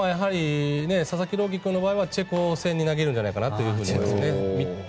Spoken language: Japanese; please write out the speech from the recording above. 佐々木朗希君の場合はチェコ戦に投げるんじゃないかと。